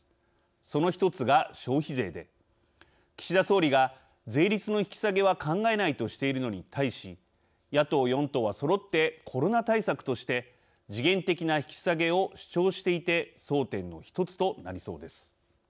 その１つが消費税で岸田総理が税率の引き下げは考えないとしているのに対し野党４党はそろってコロナ対策として時限的な引き下げを主張していて争点の１つとなりそうです。